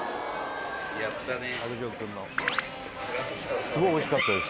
やったね。